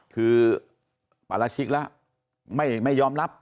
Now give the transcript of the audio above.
คือปราชิกแล้วไม่ยอมรับ